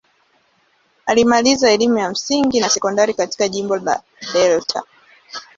Alimaliza elimu ya msingi na sekondari katika jimbo la Delta.